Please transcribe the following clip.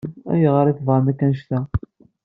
Ayɣer i tebɣam akk annect-a?